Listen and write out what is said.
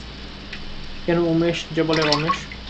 কেন, উমেশ যে বলে- রমেশ।